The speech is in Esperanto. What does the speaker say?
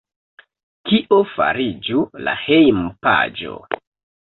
Kio fariĝu la hejmpaĝo?